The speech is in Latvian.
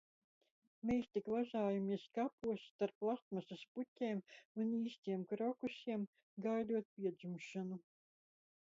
Mēs tik vazājamies kapos starp plastmasas puķēm un īstiem krokusiem, gaidot piedzimšanu.